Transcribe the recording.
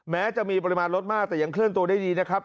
แม้จะมีปริมาณรถมากแต่ยังเคลื่อนตัวได้ดีนะครับ